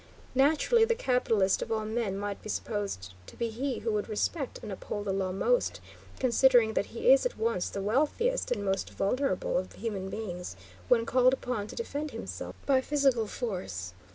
Naturally the capitalist, of all men, might be supposed to be he who would respect and uphold the law most, considering that he is at once the wealthiest and most vulnerable of human beings, when called upon to defend himself by physical force.